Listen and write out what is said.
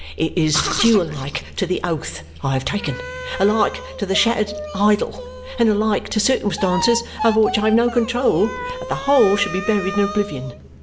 It is due alike to the oath I have taken, alike to the shattered idol, and alike to circumstances over which I have no control, that the whole should be buried in oblivion.